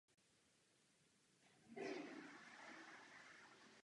Klubovými barvami jsou fialová a šedá.